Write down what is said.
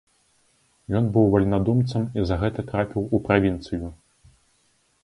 Ён быў вальнадумцам і за гэта трапіў у правінцыю.